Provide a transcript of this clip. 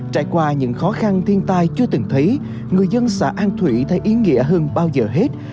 trải qua những khó khăn thiên tai chưa từng thấy người dân xã an thủy thấy ý nghĩa hơn bao giờ hết